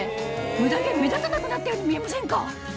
ムダ毛目立たなくなったように見えませんか？